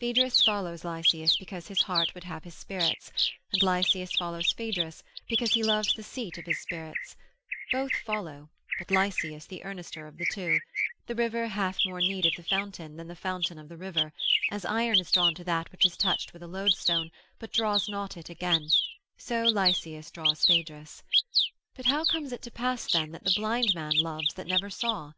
Phaedrus follows Lycias, because his heart would have his spirits, and Lycias follows Phaedrus, because he loves the seat of his spirits; both follow; but Lycias the earnester of the two: the river hath more need of the fountain, than the fountain of the river; as iron is drawn to that which is touched with a loadstone, but draws not it again; so Lycias draws Phaedrus. But how comes it to pass then, that the blind man loves, that never saw?